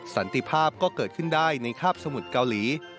สันติภาพก็เกิดขึ้นได้ในคาบสมุทรเกาหลี